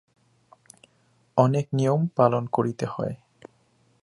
অনেক নিয়ম পালন করিতে হয়।